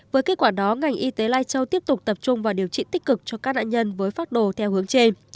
với kết quả đó ngành y tế lai châu tiếp tục tập trung vào điều trị tích cực cho các nạn nhân với phác đồ theo hướng trên